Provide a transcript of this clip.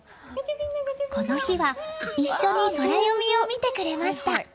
この日は一緒にソラよみを見てくれました。